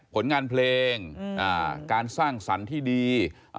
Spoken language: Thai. ผลงานเพลงการสร้างสรรค์ที่ดี